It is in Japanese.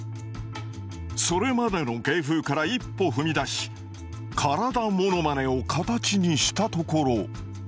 それまでの芸風から一歩踏み出し体モノマネを形にしたところ。